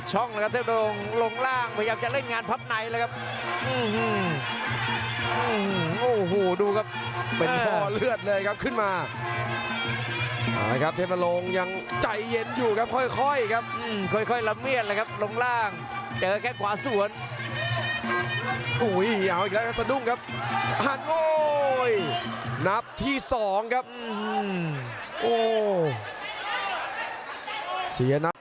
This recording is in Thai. สอนลงเข้ามาอีกทีครับ